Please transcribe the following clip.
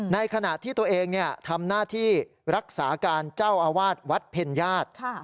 ในขณะที่ตัวเองทำหน้าที่รักษาการเจ้าอาวาสวัดเพ็ญญาติ